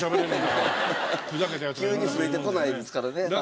急に増えてこないですからねはい。